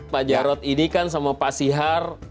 pak jarod ini kan sama pak sihar